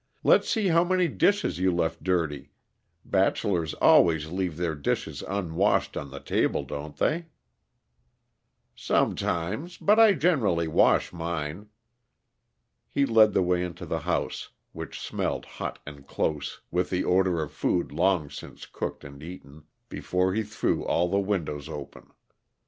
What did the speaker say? "Let's see how many dishes you left dirty; bachelors always leave their dishes unwashed on the table, don't they?" "Sometimes but I generally wash mine." He led the way into the house, which smelled hot and close, with the odor of food long since cooked and eaten, before he threw all the windows open.